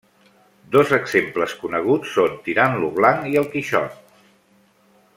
Dos exemples coneguts són Tirant lo Blanc i El Quixot.